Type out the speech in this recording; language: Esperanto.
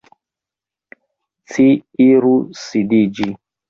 Ci iru sidiĝi.